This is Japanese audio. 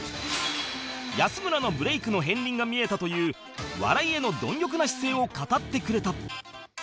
安村のブレークの片鱗が見えたという笑いへの貪欲な姿勢を語ってくれた